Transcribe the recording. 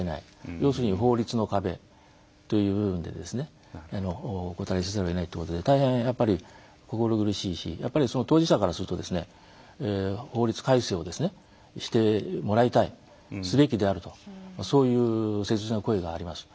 要するに法律の壁というんでですねお断りせざるをえないということで大変やっぱり心苦しいしやっぱりその当事者からすると法律改正をしてもらいたいすべきであるとそういう切実な声があります。